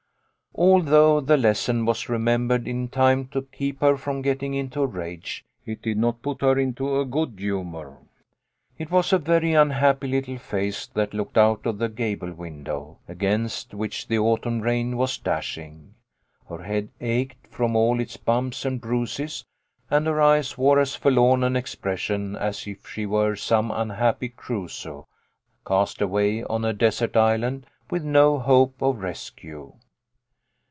Although the lesson was remembered in time to keep her from getting into a rage, it did not put her into a good humour. It was a very unhappy little face that looked out of the gable window, against which the autumn rain was dashing. Her head A TIME FOR PATIENCE. 73 ached from all its bumps and bruises, and her eyes wore as forlorn an expression as if she were some unhappy Crusoe, cast away on a desert island with no hope of rescue.